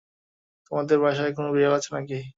তোমাদের বাসায় কোনো বিড়াল আছে নাকি?